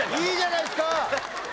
いいじゃないですか。